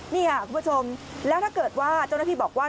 นี่ค่ะคุณผู้ชมแล้วถ้าเกิดว่าเจ้าหน้าที่บอกว่า